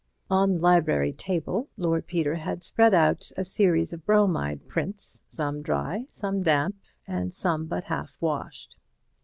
On the library table, Lord Peter had spread out a series of bromide prints, some dry, some damp, and some but half washed.